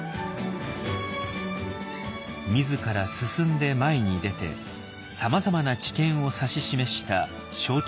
自ら進んで前に出てさまざまな知見を指し示した昭憲皇太后。